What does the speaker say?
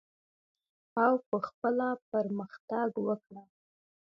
او په خپله پرمختګ وکړه.